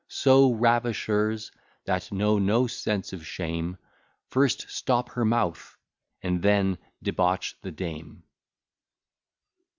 So ravishers, that know no sense of shame, First stop her mouth, and then debauch the dame.